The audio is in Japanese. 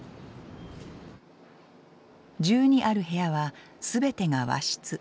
１２ある部屋は全てが和室。